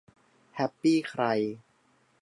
แฮปปี้ใคร